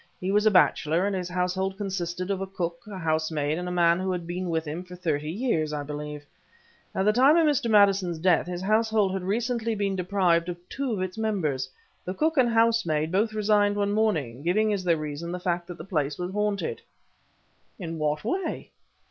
He was a bachelor, and his household consisted of a cook, a housemaid, and a man who had been with him for thirty years, I believe. At the time of Mr. Maddison's death, his household had recently been deprived of two of its members. The cook and housemaid both resigned one morning, giving as their reason the fact that the place was haunted." "In what way?"